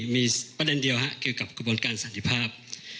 มีประเด็นเดียวคือกับกระบวนการสัญญาภาพ